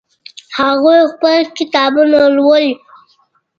هغوی خپلې کتابونه لولي